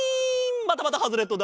またまたハズレットだ。